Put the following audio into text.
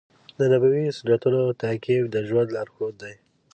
د نبوي سنتونو تعقیب د ژوند لارښود دی.